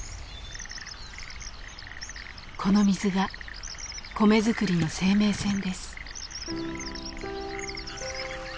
この水が米作りの生命線です。